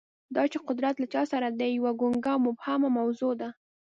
دا چې قدرت له چا سره دی، یوه ګونګه او مبهمه موضوع ده.